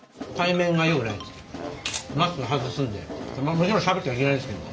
もちろんしゃべっちゃいけないですけども。